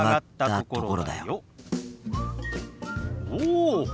おお！